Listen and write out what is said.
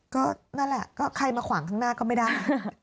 ก็นั่นแหละก็ใครมาขวางข้างหน้าก็ไม่ได้